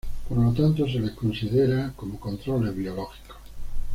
Por lo tanto se las considera como controles biológicos.